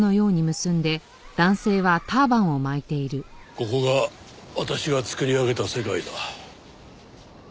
ここが私が作り上げた世界だ。